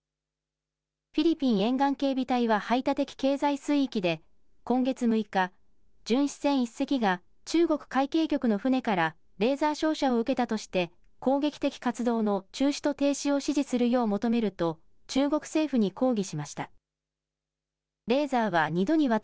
フィリピン沿岸警備隊は排他的経済水域で今月６日巡視船１隻が中国海警局の船からレーザー照射を受けたとして攻撃的活動の中止と停止を指示するよう求めると中国政府に抗議しました。